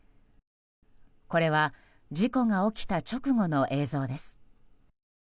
これは事故が起きた直後の映像です。